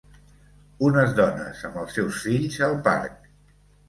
Unes dones amb els seus fills al parc